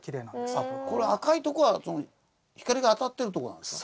この赤いとこは光が当たってるとこなんですか？